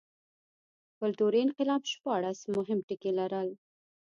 کلتوري انقلاب شپاړس مهم ټکي لرل.